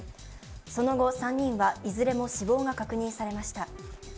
その後、３人はいずれも死亡が確認されました。